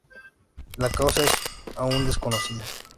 La causa es aún desconocida.